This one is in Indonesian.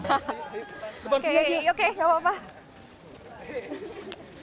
oke oke gak apa apa